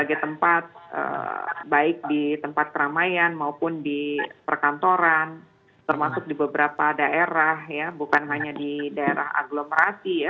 berbagai tempat baik di tempat keramaian maupun di perkantoran termasuk di beberapa daerah ya bukan hanya di daerah agglomerasi ya